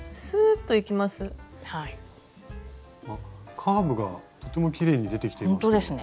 カーブがとてもきれいに出てきていますね。